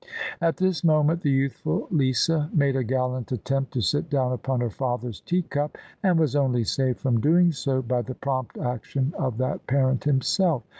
At this moment the youthful Lisa made a gallant attempt to sit down upon her father's tea cup; and was only saved from doing so by the prompt action of that parent himself.